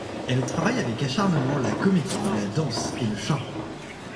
Elle travaille avec acharnement la comédie, la danse et le chant.